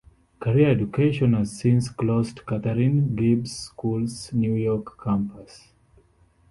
Career Education has since closed Katharine Gibbs School's New York campus.